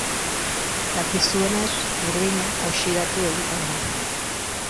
Dakizuenez, burdina oxidatu egiten da.